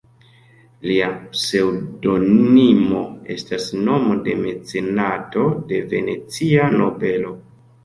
Lia pseŭdonimo estas nomo de mecenato, de Venecia nobelo.